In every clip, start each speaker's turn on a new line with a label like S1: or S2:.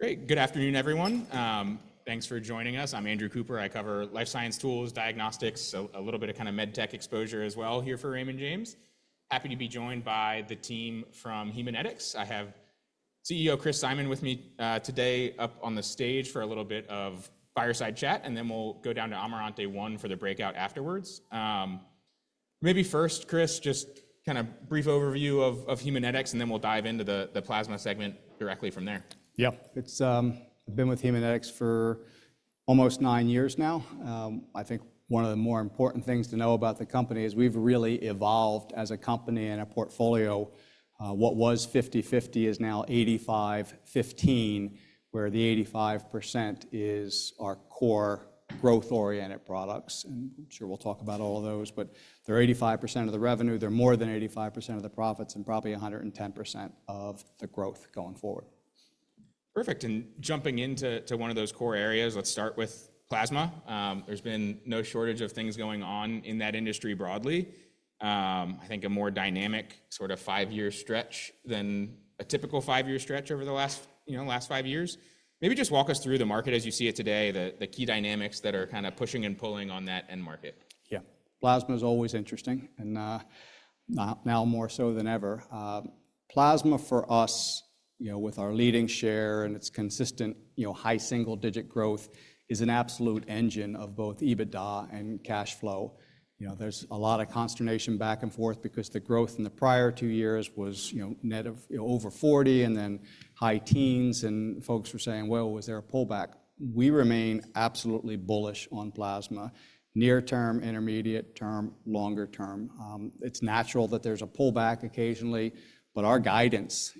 S1: Great. Good afternoon, everyone. Thanks for joining us. I'm Andrew Cooper. I cover life science tools, diagnostics, a little bit of kind of med tech exposure as well here for Raymond James. Happy to be joined by the team from Haemonetics. I have CEO Chris Simon with me today up on the stage for a little bit of fireside chat, and then we'll go down to Amaranth One for the breakout afterwards. Maybe first, Chris, just kind of brief overview of Haemonetics, and then we'll dive into the plasma segment directly from there.
S2: Yeah, I've been with Haemonetics for almost nine years now. I think one of the more important things to know about the company is we've really evolved as a company and a portfolio. What was 50/50 is now 85/15, where the 85% is our core growth-oriented products. And I'm sure we'll talk about all of those, but they're 85% of the revenue, they're more than 85% of the profits, and probably 110% of the growth going forward.
S1: Perfect. And jumping into one of those core areas, let's start with plasma. There's been no shortage of things going on in that industry broadly. I think a more dynamic sort of five-year stretch than a typical five-year stretch over the last five years. Maybe just walk us through the market as you see it today, the key dynamics that are kind of pushing and pulling on that end market.
S2: Yeah, plasma is always interesting, and now more so than ever. Plasma for us, with our leading share and its consistent high single-digit growth, is an absolute engine of both EBITDA and cash flow. There's a lot of consternation back and forth because the growth in the prior two years was net of over 40% and then high teens%, and folks were saying, "Well, was there a pullback?" We remain absolutely bullish on plasma, near term, intermediate term, longer term. It's natural that there's a pullback occasionally, but our guidance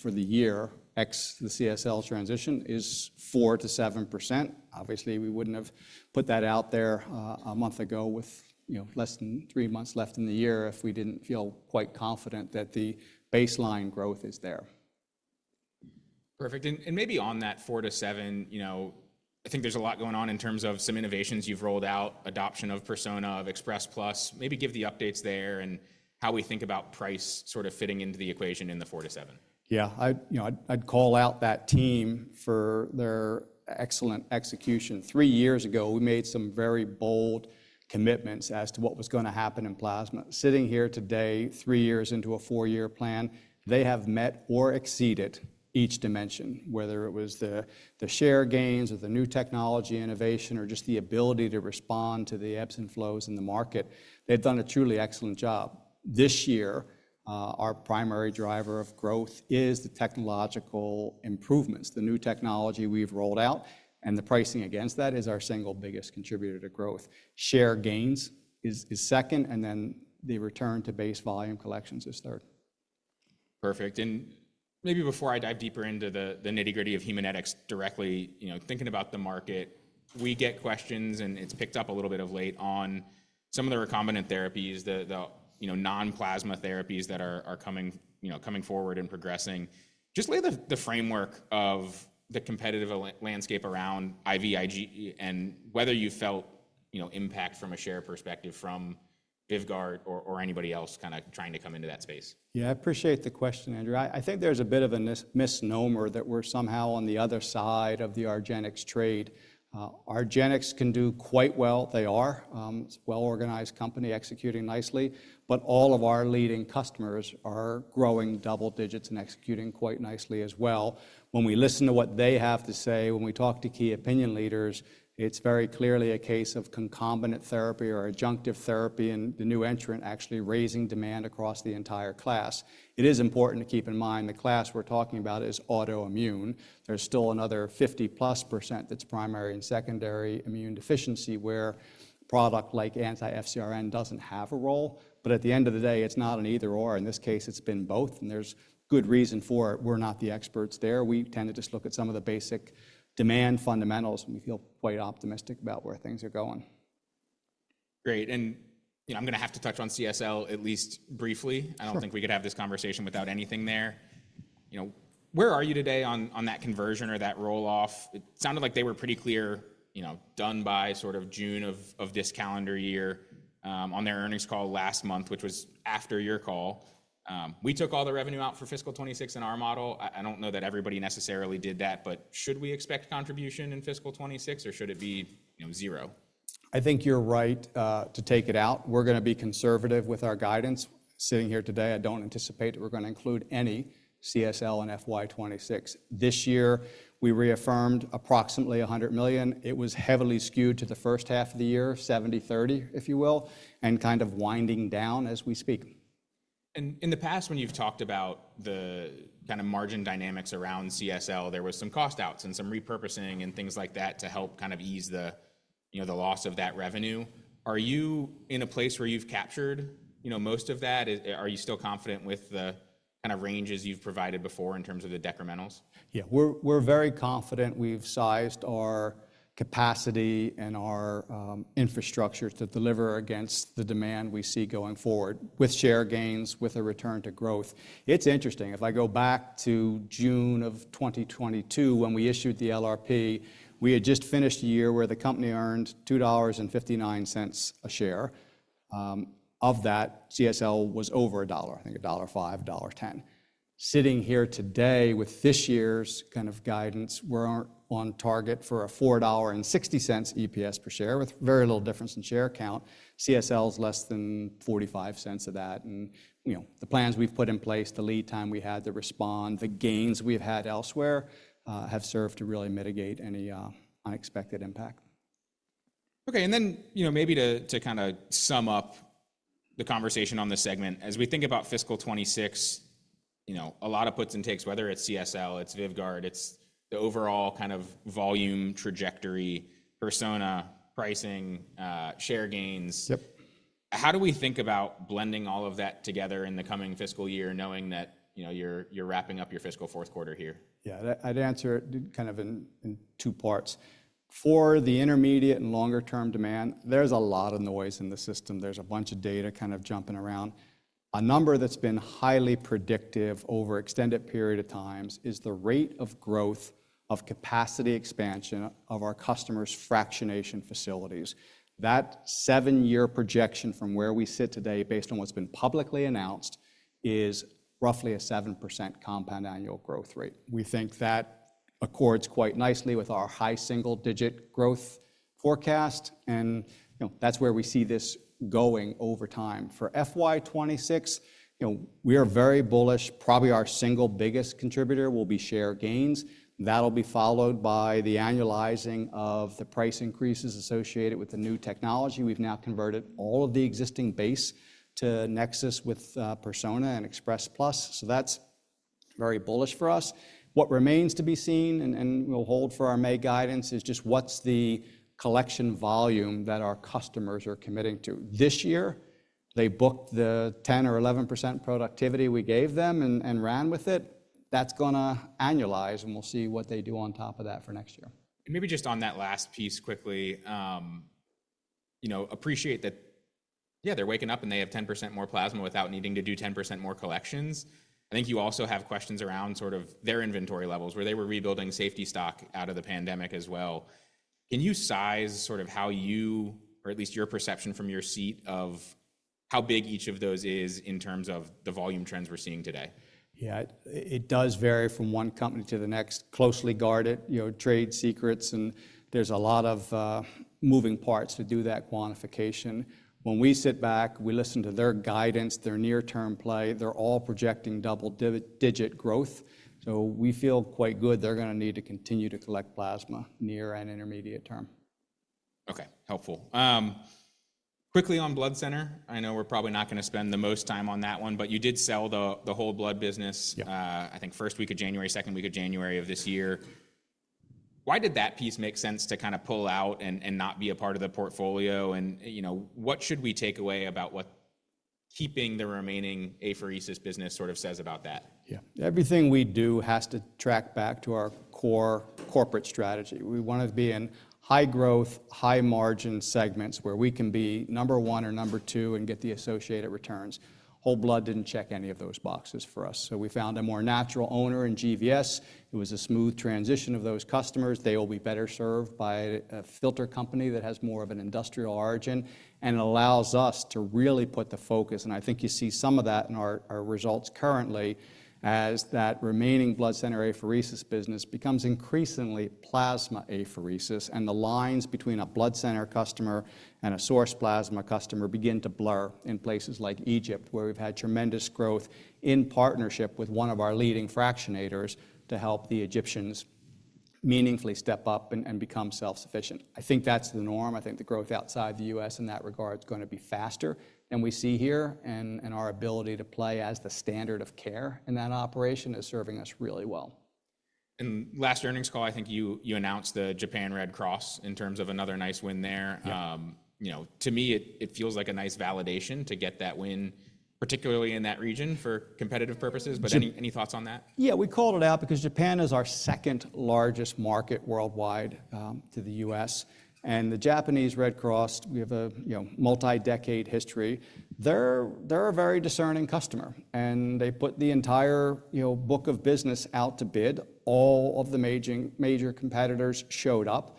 S2: for the year ex the CSL transition is 4%-7%. Obviously, we wouldn't have put that out there a month ago with less than three months left in the year if we didn't feel quite confident that the baseline growth is there.
S1: Perfect. And maybe on that 4%-7%, I think there's a lot going on in terms of some innovations you've rolled out, adoption of Persona, of Express Plus. Maybe give the updates there and how we think about price sort of fitting into the equation in the 4%-7%.
S2: Yeah, I'd call out that team for their excellent execution. Three years ago, we made some very bold commitments as to what was going to happen in plasma. Sitting here today, three years into a four-year plan, they have met or exceeded each dimension, whether it was the share gains or the new technology innovation or just the ability to respond to the ebbs and flows in the market. They've done a truly excellent job. This year, our primary driver of growth is the technological improvements, the new technology we've rolled out, and the pricing against that is our single biggest contributor to growth. Share gains is second, and then the return to base volume collections is third.
S1: Perfect. And maybe before I dive deeper into the nitty-gritty of Haemonetics directly, thinking about the market, we get questions and it's picked up a little bit of late on some of the recombinant therapies, the non-plasma therapies that are coming forward and progressing. Just lay the framework of the competitive landscape around IVIG and whether you felt impact from a share perspective from Vyvgart or anybody else kind of trying to come into that space.
S2: Yeah, I appreciate the question, Andrew. I think there's a bit of a misnomer that we're somehow on the other side of the Argenx trade. Argenx can do quite well. They are. It's a well-organized company executing nicely, but all of our leading customers are growing double digits and executing quite nicely as well. When we listen to what they have to say, when we talk to key opinion leaders, it's very clearly a case of concomitant therapy or adjunctive therapy and the new entrant actually raising demand across the entire class. It is important to keep in mind the class we're talking about is autoimmune. There's still another 50%+ that's primary and secondary immune deficiency where a product like anti-FcRn doesn't have a role. But at the end of the day, it's not an either/or. In this case, it's been both, and there's good reason for it. We're not the experts there. We tend to just look at some of the basic demand fundamentals, and we feel quite optimistic about where things are going.
S1: Great. And I'm going to have to touch on CSL at least briefly. I don't think we could have this conversation without anything there. Where are you today on that conversion or that roll-off? It sounded like they were pretty clear, done by sort of June of this calendar year on their earnings call last month, which was after your call. We took all the revenue out for fiscal 2026 in our model. I don't know that everybody necessarily did that, but should we expect contribution in fiscal 2026, or should it be zero?
S2: I think you're right to take it out. We're going to be conservative with our guidance. Sitting here today, I don't anticipate that we're going to include any CSL in FY26. This year, we reaffirmed approximately $100 million. It was heavily skewed to the first half of the year, 70/30, if you will, and kind of winding down as we speak.
S1: In the past, when you've talked about the kind of margin dynamics around CSL, there were some cost outs and some repurposing and things like that to help kind of ease the loss of that revenue. Are you in a place where you've captured most of that? Are you still confident with the kind of ranges you've provided before in terms of the decrementals?
S2: Yeah, we're very confident. We've sized our capacity and our infrastructure to deliver against the demand we see going forward with share gains, with a return to growth. It's interesting. If I go back to June of 2022, when we issued the LRP, we had just finished a year where the company earned $2.59 a share. Of that, CSL was over $1, I think $1.05, $1.10. Sitting here today with this year's kind of guidance, we're on target for a $4.60 Earnings Per Share with very little difference in share count. CSL is less than $0.45 of that, and the plans we've put in place, the lead time we had to respond, the gains we've had elsewhere have served to really mitigate any unexpected impact.
S1: Okay. And then maybe to kind of sum up the conversation on the segment, as we think about fiscal 2026, a lot of puts and takes, whether it's CSL, it's Vyvgart, it's the overall kind of volume trajectory, Persona, pricing, share gains. How do we think about blending all of that together in the coming fiscal year, knowing that you're wrapping up your fiscal fourth quarter here?
S2: Yeah, I'd answer it kind of in two parts. For the intermediate and longer-term demand, there's a lot of noise in the system. There's a bunch of data kind of jumping around. A number that's been highly predictive over extended period of times is the rate of growth of capacity expansion of our customers' fractionation facilities. That seven-year projection from where we sit today, based on what's been publicly announced, is roughly a 7% compound annual growth rate. We think that accords quite nicely with our high single-digit growth forecast, and that's where we see this going over time. For FY26, we are very bullish. Probably our single biggest contributor will be share gains. That'll be followed by the annualizing of the price increases associated with the new technology. We've now converted all of the existing base to NexSys with Persona and Express Plus. So that's very bullish for us. What remains to be seen, and we'll hold for our May guidance, is just what's the collection volume that our customers are committing to. This year, they booked the 10% or 11% productivity we gave them and ran with it. That's going to annualize, and we'll see what they do on top of that for next year.
S1: Maybe just on that last piece quickly. Appreciate that. Yeah, they're waking up and they have 10% more plasma without needing to do 10% more collections. I think you also have questions around sort of their inventory levels, where they were rebuilding safety stock out of the pandemic as well. Can you size sort of how you, or at least your perception from your seat, of how big each of those is in terms of the volume trends we're seeing today?
S2: Yeah, it does vary from one company to the next. Closely guarded trade secrets, and there's a lot of moving parts to do that quantification. When we sit back, we listen to their guidance, their near-term play. They're all projecting double-digit growth. So we feel quite good they're going to need to continue to collect plasma near and intermediate term.
S1: Okay, helpful. Quickly on blood center, I know we're probably not going to spend the most time on that one, but you did sell the whole blood business, I think first week of January, second week of January of this year. Why did that piece make sense to kind of pull out and not be a part of the portfolio? And what should we take away about what keeping the remaining apheresis business sort of says about that?
S2: Yeah, everything we do has to track back to our core corporate strategy. We want to be in high-growth, high-margin segments where we can be number one or number two and get the associated returns. Whole blood didn't check any of those boxes for us. So we found a more natural owner in GVS. It was a smooth transition of those customers. They will be better served by a filter company that has more of an industrial origin, and it allows us to really put the focus. And I think you see some of that in our results currently as that remaining blood center apheresis business becomes increasingly plasma apheresis, and the lines between a blood center customer and a source plasma customer begin to blur in places like Egypt, where we've had tremendous growth in partnership with one of our leading fractionators to help the Egyptians meaningfully step up and become self-sufficient. I think that's the norm. I think the growth outside the U.S. in that regard is going to be faster. And we see here and our ability to play as the standard of care in that operation is serving us really well.
S1: And last earnings call, I think you announced the Japanese Red Cross in terms of another nice win there. To me, it feels like a nice validation to get that win, particularly in that region for competitive purposes. But any thoughts on that?
S2: Yeah, we called it out because Japan is our second largest market worldwide to the U.S. And the Japanese Red Cross, we have a multi-decade history. They're a very discerning customer, and they put the entire book of business out to bid. All of the major competitors showed up.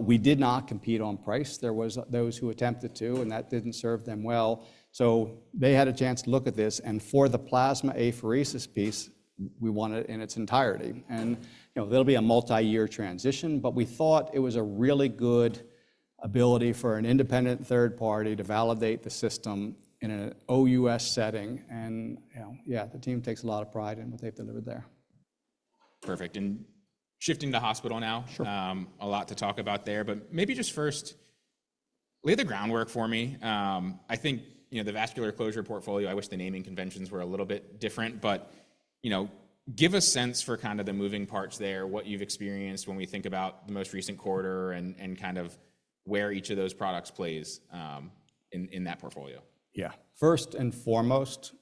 S2: We did not compete on price. There were those who attempted to, and that didn't serve them well. So they had a chance to look at this. And for the plasma apheresis piece, we want it in its entirety. And there'll be a multi-year transition, but we thought it was a really good ability for an independent third party to validate the system in an OUS setting. And yeah, the team takes a lot of pride in what they've delivered there.
S1: Perfect. And shifting to hospital now, a lot to talk about there, but maybe just first, lay the groundwork for me. I think the vascular closure portfolio, I wish the naming conventions were a little bit different, but give a sense for kind of the moving parts there, what you've experienced when we think about the most recent quarter and kind of where each of those products plays in that portfolio.
S2: Yeah, first and foremost,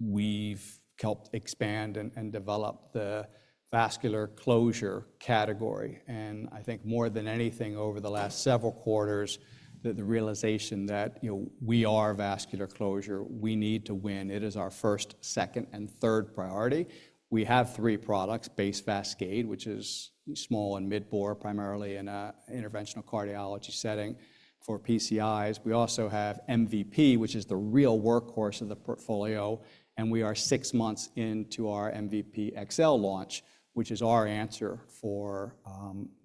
S2: we've helped expand and develop the vascular closure category. And I think more than anything over the last several quarters, the realization that we are vascular closure, we need to win. It is our first, second, and third priority. We have three products: base VASCADE, which is small and mid-bore, primarily in an interventional cardiology setting for PCIs. We also have MVP, which is the real workhorse of the portfolio, and we are six months into our MVP XL launch, which is our answer for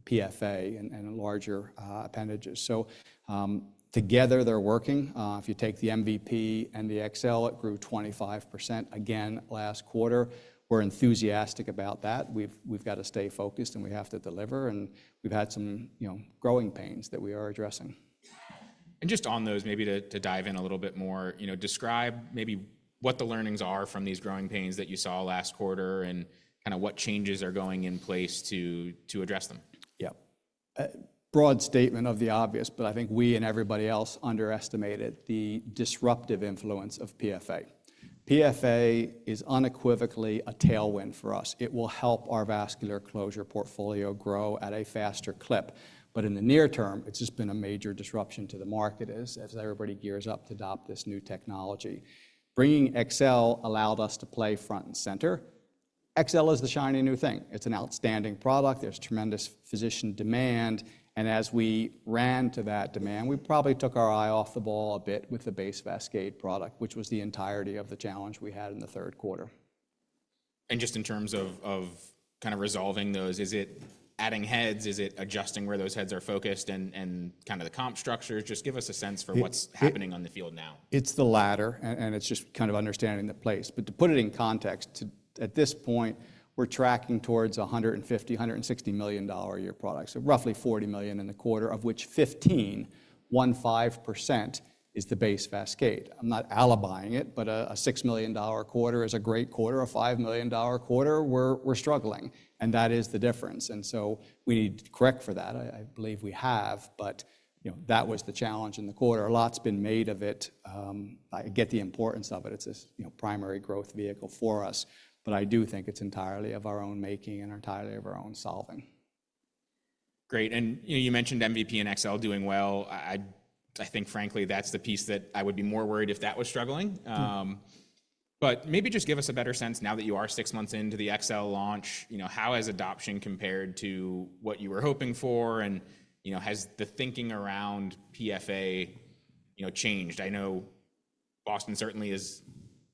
S2: PFA and larger appendages. So together, they're working. If you take the MVP and the XL, it grew 25% again last quarter. We're enthusiastic about that. We've got to stay focused, and we have to deliver, and we've had some growing pains that we are addressing.
S1: Just on those, maybe to dive in a little bit more, describe maybe what the learnings are from these growing pains that you saw last quarter and kind of what changes are going in place to address them?
S2: Yeah, broad statement of the obvious, but I think we and everybody else underestimated the disruptive influence of PFA. PFA is unequivocally a tailwind for us. It will help our vascular closure portfolio grow at a faster clip. But in the near term, it's just been a major disruption to the market as everybody gears up to adopt this new technology. Bringing XL allowed us to play front and center. XL is the shiny new thing. It's an outstanding product. There's tremendous physician demand. And as we ran to that demand, we probably took our eye off the ball a bit with the base VASCADE product, which was the entirety of the challenge we had in the third quarter.
S1: And just in terms of kind of resolving those, is it adding heads? Is it adjusting where those heads are focused and kind of the comp structures? Just give us a sense for what's happening on the field now.
S2: It's the latter, and it's just kind of understanding the place. But to put it in context, at this point, we're tracking towards $150-$160 million a year products, roughly $40 million in the quarter, of which 15, 1.5% is the base VASCADE. I'm not alibiing it, but a $6 million quarter is a great quarter. A $5 million quarter, we're struggling, and that is the difference. And so we need to correct for that. I believe we have, but that was the challenge in the quarter. A lot's been made of it. I get the importance of it. It's a primary growth vehicle for us, but I do think it's entirely of our own making and entirely of our own solving.
S1: Great. And you mentioned MVP and XL doing well. I think, frankly, that's the piece that I would be more worried if that was struggling. But maybe just give us a better sense now that you are six months into the XL launch. How has adoption compared to what you were hoping for? And has the thinking around PFA changed? I know Boston certainly has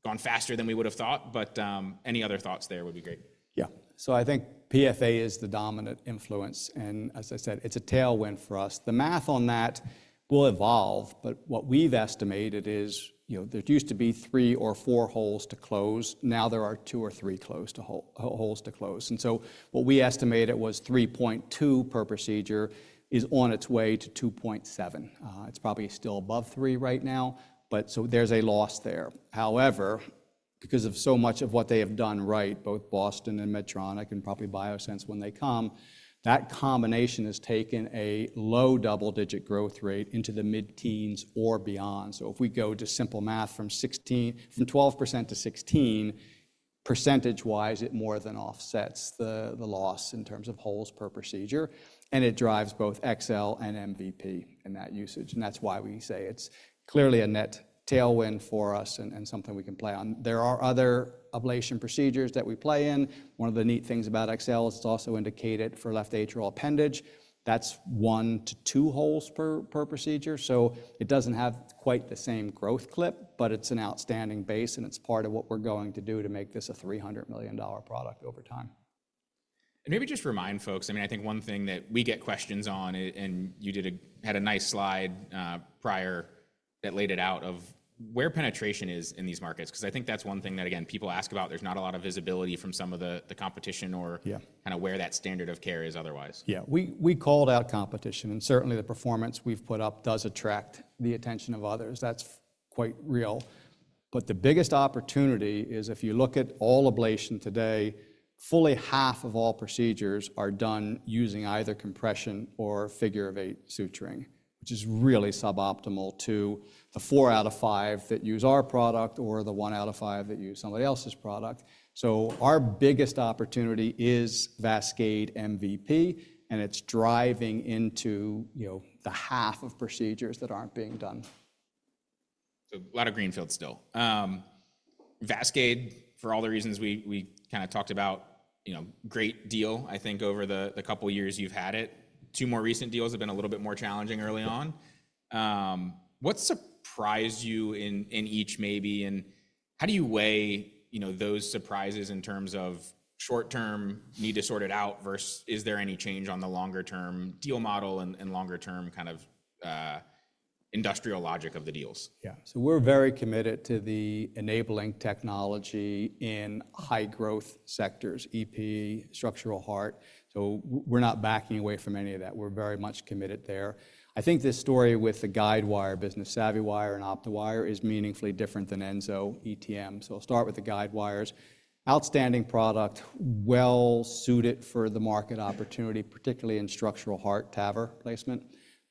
S1: gone faster than we would have thought, but any other thoughts there would be great.
S2: Yeah, so I think PFA is the dominant influence. And as I said, it's a tailwind for us. The math on that will evolve, but what we've estimated is there used to be three or four holes to close. Now there are two or three holes to close. And so what we estimated was 3.2 per procedure is on its way to 2.7. It's probably still above three right now, but so there's a loss there. However, because of so much of what they have done right, both Boston and Medtronic and probably Biosense when they come, that combination has taken a low double-digit growth rate into the mid-teens or beyond. So if we go to simple math from 12%-16%, percentage-wise, it more than offsets the loss in terms of holes per procedure. And it drives both XL and MVP in that usage. And that's why we say it's clearly a net tailwind for us and something we can play on. There are other ablation procedures that we play in. One of the neat things about XL is it's also indicated for left atrial appendage. That's one to two holes per procedure. So it doesn't have quite the same growth clip, but it's an outstanding base, and it's part of what we're going to do to make this a $300 million product over time.
S1: Maybe just remind folks. I mean, I think one thing that we get questions on, and you had a nice slide prior that laid it out of where penetration is in these markets, because I think that's one thing that, again, people ask about. There's not a lot of visibility from some of the competition or kind of where that standard of care is otherwise.
S2: Yeah, we called out competition, and certainly the performance we've put up does attract the attention of others. That's quite real. But the biggest opportunity is if you look at all ablation today, fully half of all procedures are done using either compression or figure-of-eight suturing, which is really suboptimal to the four out of five that use our product or the one out of five that use somebody else's product. So our biggest opportunity is Vascade MVP, and it's driving into the half of procedures that aren't being done.
S1: So, a lot of greenfield still. Vascade, for all the reasons we kind of talked about, great deal, I think, over the couple of years you've had it. Two more recent deals have been a little bit more challenging early on. What surprised you in each, maybe? And how do you weigh those surprises in terms of short-term need to sort it out versus is there any change on the longer-term deal model and longer-term kind of industrial logic of the deals?
S2: Yeah, so we're very committed to the enabling technology in high-growth sectors, EP, structural heart. So we're not backing away from any of that. We're very much committed there. I think this story with the guidewire business, SavvyWire and OptoWire is meaningfully different than ensoETM. So I'll start with the guidewires. Outstanding product, well-suited for the market opportunity, particularly in structural heart TAVR placement.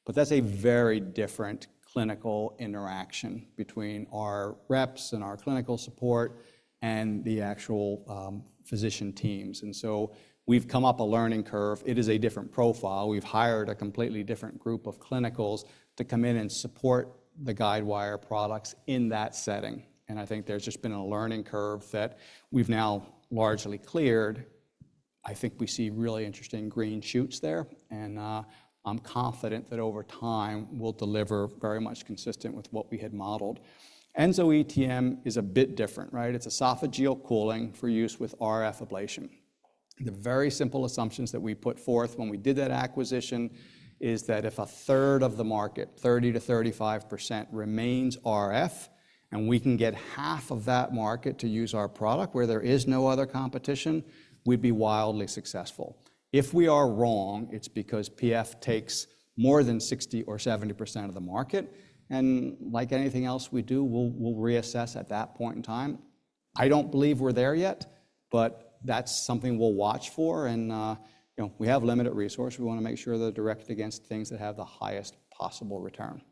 S2: But that's a very different clinical interaction between our reps and our clinical support and the actual physician teams. And so we've come up a learning curve. It is a different profile. We've hired a completely different group of clinicals to come in and support the guidewire products in that setting. And I think there's just been a learning curve that we've now largely cleared. I think we see really interesting green shoots there, and I'm confident that over time we'll deliver very much consistent with what we had modeled. EnsoETM is a bit different, right? It's esophageal cooling for use with RF ablation. The very simple assumptions that we put forth when we did that acquisition is that if a third of the market, 30%-35%, remains RF, and we can get half of that market to use our product where there is no other competition, we'd be wildly successful. If we are wrong, it's because PF takes more than 60%-70% of the market, and like anything else we do, we'll reassess at that point in time. I don't believe we're there yet, but that's something we'll watch for, and we have limited resource. We want to make sure they're directed against things that have the highest possible return.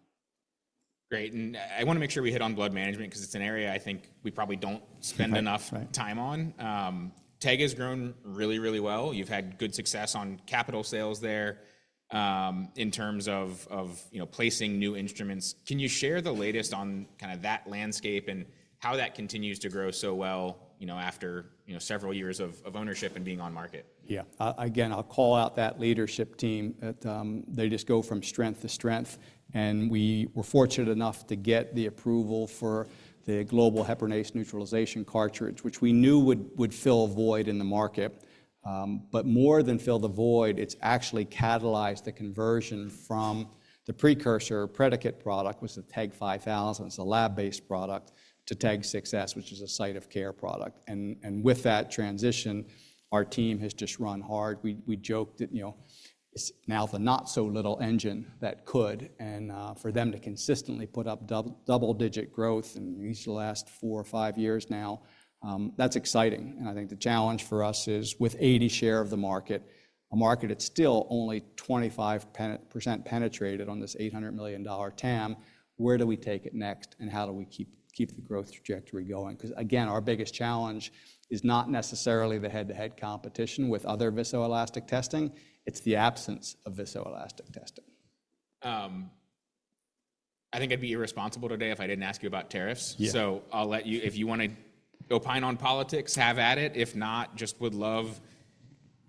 S1: Great. And I want to make sure we hit on blood management because it's an area I think we probably don't spend enough time on. TEG has grown really, really well. You've had good success on capital sales there in terms of placing new instruments. Can you share the latest on kind of that landscape and how that continues to grow so well after several years of ownership and being on market?
S2: Yeah, again, I'll call out that leadership team. They just go from strength to strength. And we were fortunate enough to get the approval for the global heparinase neutralization cartridge, which we knew would fill a void in the market. But more than fill the void, it's actually catalyzed the conversion from the precursor predicate product, which was the TEG 5000. It's a lab-based product to TEG 6s, which is a site of care product. And with that transition, our team has just run hard. We joked that it's now the not-so-little engine that could. And for them to consistently put up double-digit growth in these last four or five years now, that's exciting. And I think the challenge for us is with 80% share of the market, a market that's still only 25% penetrated on this $800 million TAM. Where do we take it next and how do we keep the growth trajectory going? Because again, our biggest challenge is not necessarily the head-to-head competition with other viscoelastic testing. It's the absence of viscoelastic testing.
S1: I think I'd be irresponsible today if I didn't ask you about tariffs. So if you want to opine on politics, have at it. If not, just would love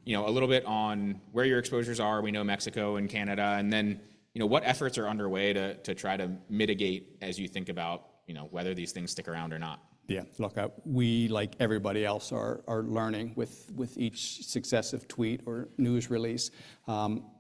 S1: a little bit on where your exposures are. We know Mexico and Canada, and then what efforts are underway to try to mitigate as you think about whether these things stick around or not?
S2: Yeah, look, we, like everybody else, are learning with each successive tweet or news release.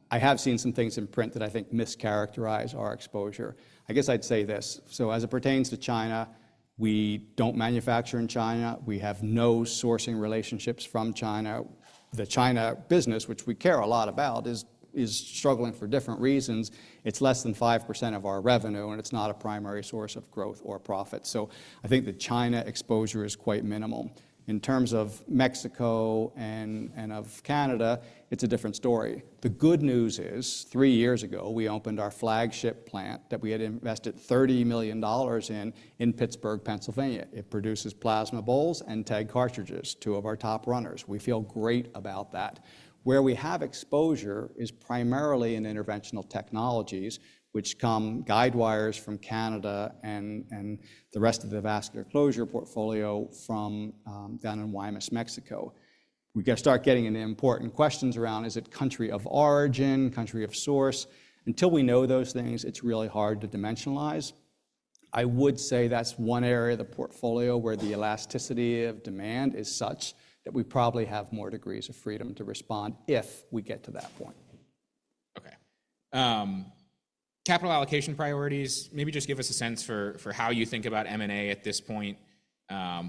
S2: I have seen some things in print that I think mischaracterize our exposure. I guess I'd say this. So as it pertains to China, we don't manufacture in China. We have no sourcing relationships from China. The China business, which we care a lot about, is struggling for different reasons. It's less than 5% of our revenue, and it's not a primary source of growth or profit. So I think the China exposure is quite minimal. In terms of Mexico and of Canada, it's a different story. The good news is three years ago, we opened our flagship plant that we had invested $30 million in in Pittsburgh, Pennsylvania. It produces plasma bowls and TEG cartridges, two of our top runners. We feel great about that. Where we have exposure is primarily in interventional technologies, which come guidewires from Canada and the rest of the vascular closure portfolio from down in Guaymas, Mexico. We're going to start getting into important questions around, is it country of origin, country of source? Until we know those things, it's really hard to dimensionalize. I would say that's one area of the portfolio where the elasticity of demand is such that we probably have more degrees of freedom to respond if we get to that point.
S1: Okay. Capital allocation priorities, maybe just give us a sense for how you think about M&A at this point,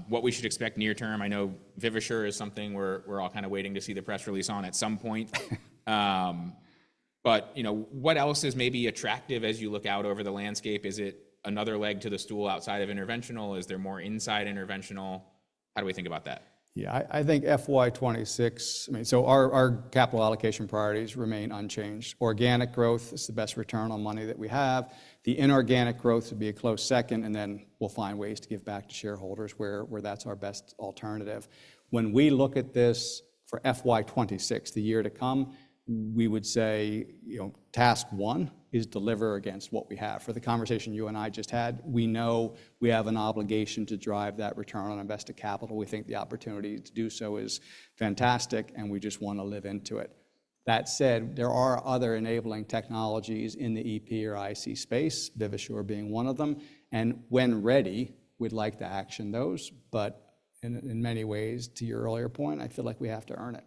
S1: what we should expect near term? I know Vivasure is something we're all kind of waiting to see the press release on at some point. But what else is maybe attractive as you look out over the landscape? Is it another leg to the stool outside of interventional? Is there more inside interventional? How do we think about that?
S2: Yeah, I think FY 2026, I mean, so our capital allocation priorities remain unchanged. Organic growth is the best return on money that we have. The inorganic growth would be a close second, and then we'll find ways to give back to shareholders where that's our best alternative. When we look at this for FY 2026, the year to come, we would say task one is deliver against what we have. For the conversation you and I just had, we know we have an obligation to drive that return on invested capital. We think the opportunity to do so is fantastic, and we just want to live into it. That said, there are other enabling technologies in the EP or IC space, Vivasure being one of them. And when ready, we'd like to action those. But in many ways, to your earlier point, I feel like we have to earn it.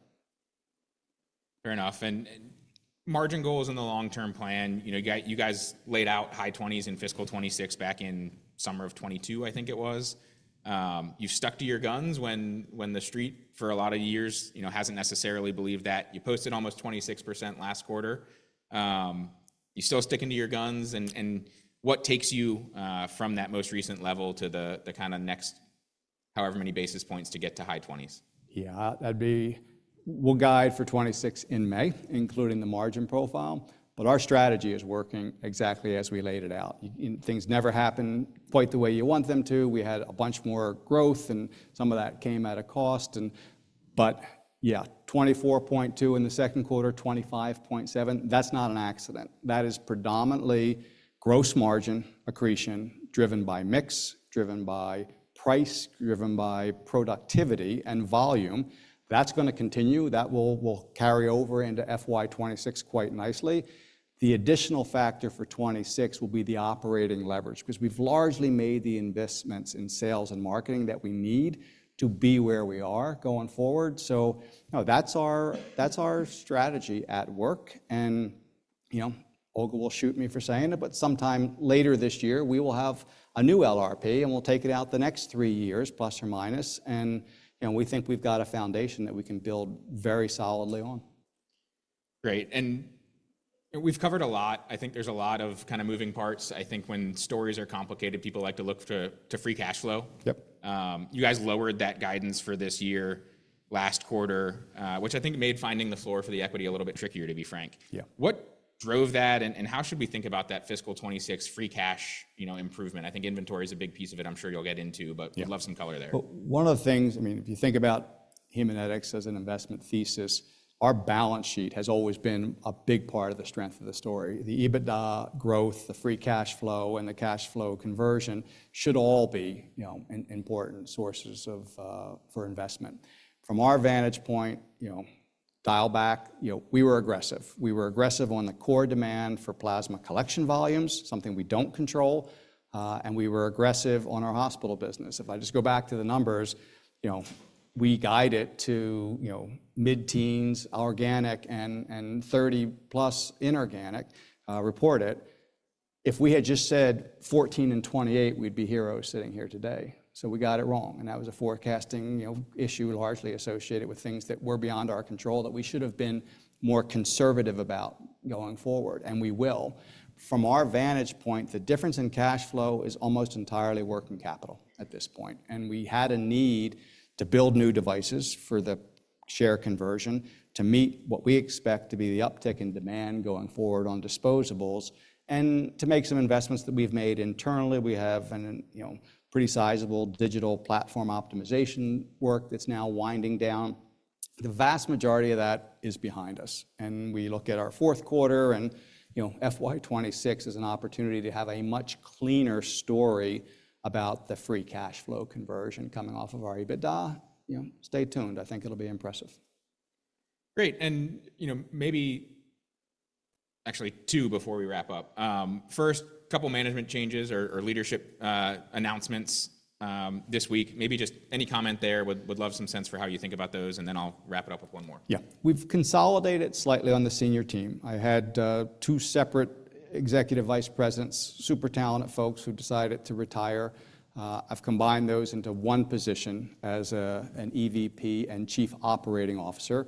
S1: Fair enough. And margin goals in the long-term plan, you guys laid out high 20% in fiscal 2026 back in summer of 2022, I think it was. You've stuck to your guns when the street for a lot of years hasn't necessarily believed that. You posted almost 26% last quarter. You're still sticking to your guns. And what takes you from that most recent level to the kind of next however many basis points to get to high 20%?
S2: Yeah, that'd be we'll guide for 2026 in May, including the margin profile. But our strategy is working exactly as we laid it out. Things never happen quite the way you want them to. We had a bunch more growth, and some of that came at a cost. But yeah, 24.2% in the second quarter, 25.7%, that's not an accident. That is predominantly gross margin accretion driven by mix, driven by price, driven by productivity and volume. That's going to continue. That will carry over into FY26 quite nicely. The additional factor for 2026 will be the operating leverage because we've largely made the investments in sales and marketing that we need to be where we are going forward. So that's our strategy at work. Olga will shoot me for saying it, but sometime later this year, we will have a new LRP, and we'll take it out the next three years, plus or minus. We think we've got a foundation that we can build very solidly on.
S1: Great. And we've covered a lot. I think there's a lot of kind of moving parts. I think when stories are complicated, people like to look to free cash flow.
S2: Yep.
S1: You guys lowered that guidance for this year last quarter, which I think made finding the floor for the equity a little bit trickier, to be frank.
S2: Yeah.
S1: What drove that, and how should we think about that fiscal 2026 free cash improvement? I think inventory is a big piece of it. I'm sure you'll get into, but we'd love some color there.
S2: One of the things, I mean, if you think about Haemonetics as an investment thesis, our balance sheet has always been a big part of the strength of the story. The EBITDA growth, the free cash flow, and the cash flow conversion should all be important sources for investment. From our vantage point, dial back, we were aggressive. We were aggressive on the core demand for plasma collection volumes, something we don't control. And we were aggressive on our hospital business. If I just go back to the numbers, we guide it to mid-teens, organic, and 30+ inorganic report it. If we had just said 14 and 28, we'd be heroes sitting here today. So we got it wrong. And that was a forecasting issue largely associated with things that were beyond our control that we should have been more conservative about going forward. And we will. From our vantage point, the difference in cash flow is almost entirely working capital at this point, and we had a need to build new devices for the share conversion to meet what we expect to be the uptick in demand going forward on disposables and to make some investments that we've made internally. We have a pretty sizable digital platform optimization work that's now winding down. The vast majority of that is behind us, and we look at our fourth quarter, and FY26 is an opportunity to have a much cleaner story about the free cash flow conversion coming off of our EBITDA. Stay tuned. I think it'll be impressive.
S1: Great. And maybe actually two before we wrap up. First, a couple of management changes or leadership announcements this week. Maybe just any comment there? Would love some sense for how you think about those. And then I'll wrap it up with one more.
S2: Yeah. We've consolidated slightly on the senior team. I had two separate executive vice presidents, super talented folks who decided to retire. I've combined those into one position as an EVP and chief operating officer.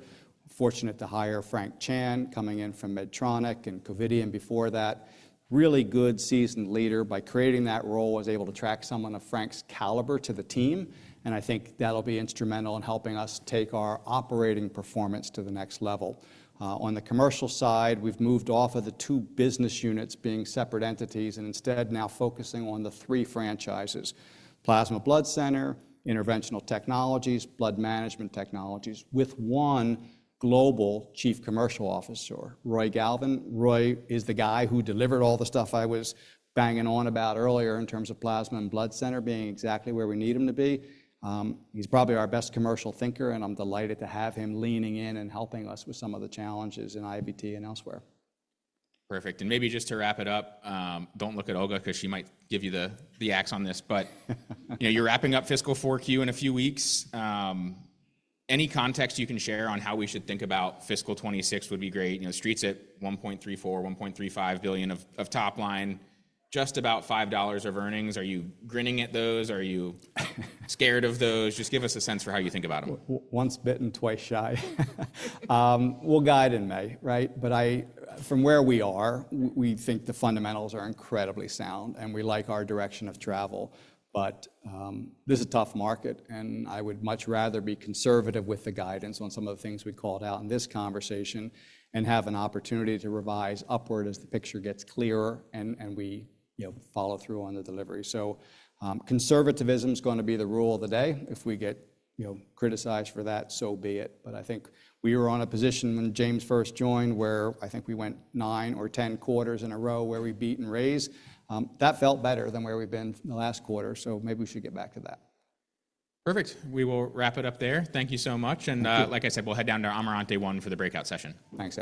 S2: Fortunate to hire Frank Chan coming in from Medtronic and Covidien before that. Really good seasoned leader. By creating that role, I was able to attract someone of Frank's caliber to the team. And I think that'll be instrumental in helping us take our operating performance to the next level. On the commercial side, we've moved off of the two business units being separate entities and instead now focusing on the three franchises: Plasma Blood Center, Interventional Technologies, Blood Management Technologies, with one global chief commercial officer, Roy Galvin. Roy is the guy who delivered all the stuff I was banging on about earlier in terms of plasma and blood center being exactly where we need him to be. He's probably our best commercial thinker, and I'm delighted to have him leaning in and helping us with some of the challenges in IVT and elsewhere.
S1: Perfect. And maybe just to wrap it up, don't look at Olga because she might give you the axe on this. But you're wrapping up fiscal 4Q in a few weeks. Any context you can share on how we should think about fiscal '26 would be great. Street's at $1.34-$1.35 billion of top line, just about $5 of earnings. Are you grinning at those? Are you scared of those? Just give us a sense for how you think about them.
S2: Once bitten, twice shy. We'll guide in May, right? But from where we are, we think the fundamentals are incredibly sound, and we like our direction of travel. But this is a tough market, and I would much rather be conservative with the guidance on some of the things we called out in this conversation and have an opportunity to revise upward as the picture gets clearer and we follow through on the delivery. So conservatism is going to be the rule of the day. If we get criticized for that, so be it. But I think we were on a position when James first joined where I think we went nine or 10 quarters in a row where we beat and raised. That felt better than where we've been in the last quarter. So maybe we should get back to that.
S1: Perfect. We will wrap it up there. Thank you so much. And like I said, we'll head down to Amaranth One for the breakout session.
S2: Thanks.